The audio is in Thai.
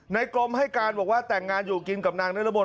กรมให้การบอกว่าแต่งงานอยู่กินกับนางนรมน